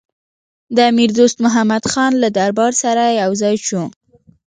د امیر دوست محمدخان له دربار سره یو ځای شو.